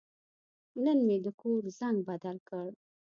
نن مې د کور زنګ بدل کړ.